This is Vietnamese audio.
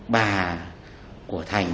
bà của thành